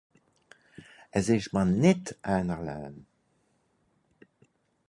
Es ìsch mìr nìtt einerlei.